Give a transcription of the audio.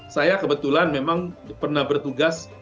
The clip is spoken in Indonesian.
saya kebetulan memang pernah bertemu dengan seorang perempuan